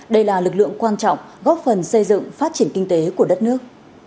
đây là lực lượng quan trọng góp phần xây dựng phát triển kinh tế của đất nước